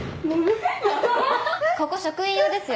ここ職員用ですよ。